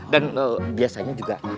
dan biasanya juga